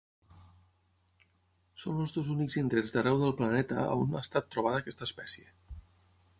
Són els dos únics indrets d'arreu del planeta a on ha estat trobada aquesta espècie.